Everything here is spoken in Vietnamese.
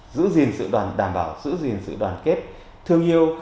giữ gìn sự đoàn đảm bảo giữ gìn sự đoàn kết thương yêu